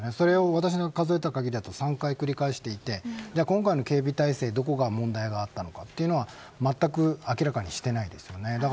私の数えた限りだと３回繰り返していて今回の警備態勢、どこに問題があったのかというのはまったく明らかにしていないですよね。